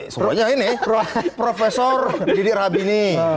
soalnya ini prof didi rabini